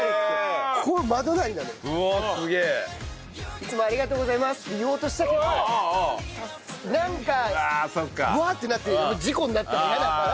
「いつもありがとうございます」って言おうとしたけどなんか「うわっ！？」ってなって事故になったら嫌だから。